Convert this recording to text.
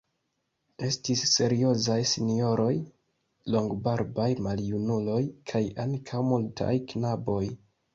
Estis seriozaj sinjoroj, longbarbaj maljunuloj kaj ankaŭ multaj knaboj.